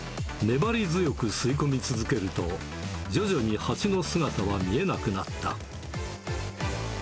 粘り強く吸い込み続けると、徐々にハチの姿は見えなくなった。